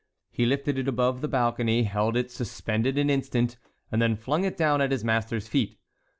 He lifted it above the balcony, held it suspended an instant, and then flung it down at his master's feet.